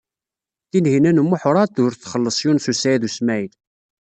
Tinhinan u Muḥ werɛad ur txelleṣ Yunes u Saɛid u Smaɛil.